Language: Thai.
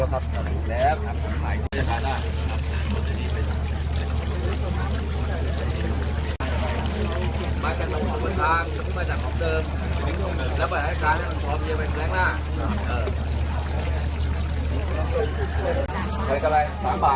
แล้วก่อนจะต้องเข้าได้ป่ะ